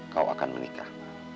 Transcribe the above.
kau akan menikah